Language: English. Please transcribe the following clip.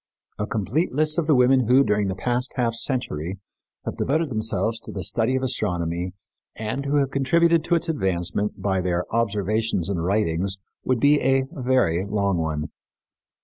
A complete list of the women who, during the past half century, have devoted themselves to the study of astronomy and who have contributed to its advancement by their observations and writings would be a very long one.